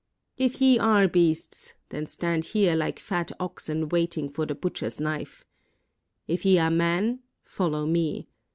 If ye are beasts, then stand here like fat oxen waiting for the butcher's knife! If ye are men, follow me!